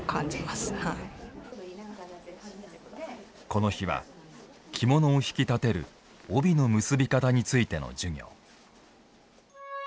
この日は、着物をひき立てる帯の結び方についての授業。